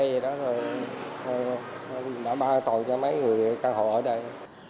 vậy đó thôi đã ba tội cho mấy người căn hộ ở đây